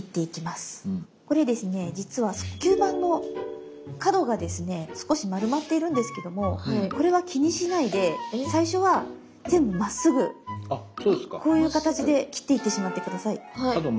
これですね実は吸盤の角がですね少し丸まっているんですけどもこれは気にしないで最初は全部まっすぐこういう形で切っていってしまって下さい。